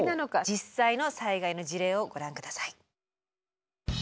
実際の災害の事例をご覧下さい。